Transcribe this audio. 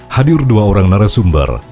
hadir dua orang narasumber